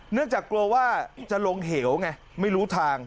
จากกลัวว่าจะลงเหวไงไม่รู้ทาง